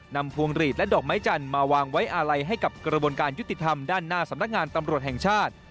พวงหลีดและดอกไม้จันทร์มาวางไว้อาลัยให้กับกระบวนการยุติธรรมด้านหน้าสำนักงานตำรวจแห่งชาติ